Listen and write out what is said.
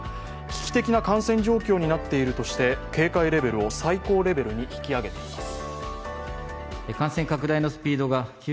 危機的な感染状況になっているとして警戒レベルを最高レベルに引き上げています。